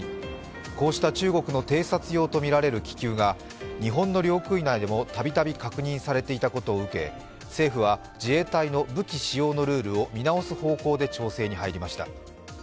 こうした中国の偵察用とみられる気球が日本の領空内でも度々、確認されていたことを受け政府は自衛隊の武器の使用ルールを見直す方向で調整に入りました。